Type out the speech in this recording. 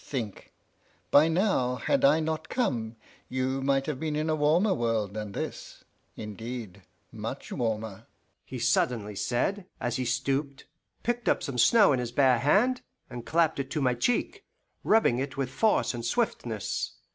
"Think! by now, had I not come, you might have been in a warmer world than this indeed, much warmer," he suddenly said, as he stooped, picked up some snow in his bare hand, and clapped it to my cheek, rubbing it with force and swiftness.